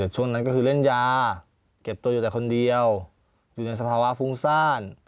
ช่วงนั้นก็คือเล่นยาเก็บตัวอยู่แต่คนเดียวอยู่ในสภาวะฟุ้งซ่าน